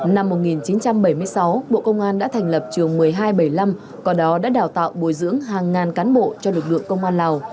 năm một nghìn chín trăm bảy mươi sáu bộ công an đã thành lập trường một mươi hai trăm bảy mươi năm qua đó đã đào tạo bồi dưỡng hàng ngàn cán bộ cho lực lượng công an lào